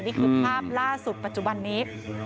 นี่คือภาพล่าสุดปัจจุบันนี้